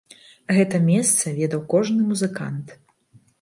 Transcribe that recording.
Гэта месца ведаў кожны музыкант.